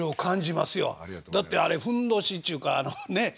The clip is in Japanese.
だってあれふんどしっちゅうかねっ。